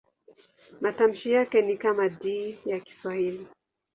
Matamshi yake ni kama D ya Kiswahili.